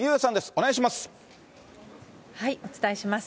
お願いします。